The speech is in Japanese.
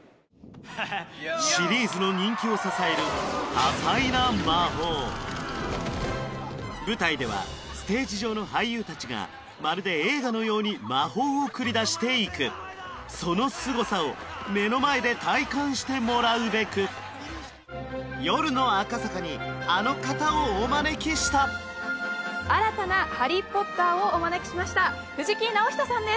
シリーズの人気を支える多彩な魔法舞台ではステージ上の俳優たちがまるで映画のように魔法を繰り出していくそのすごさを目の前で体感してもらうべく夜の赤坂にあの方をお招きした新たなハリー・ポッターをお招きしました藤木直人さんです